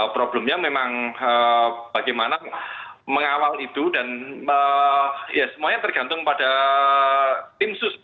problemnya memang bagaimana mengawal itu dan ya semuanya tergantung pada tim sus